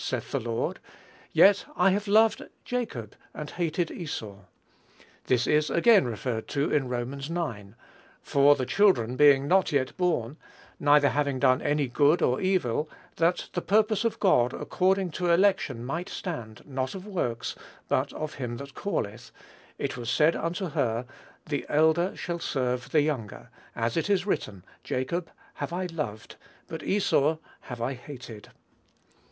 saith the Lord: yet I have loved Jacob and hated Esau." This is again referred to in Rom. ix.: "For the children being not yet born, neither having done any good or evil, that the purpose of God according to election might stand, not of works, but of him that calleth; it was said unto her, The elder shall serve the younger, as it is written, Jacob have I loved, but Esau have I hated."